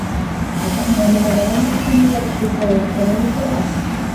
أعتقد أنّ هذا الرّجل الصّينيّ مسلم، فهو يستمع للقرآن.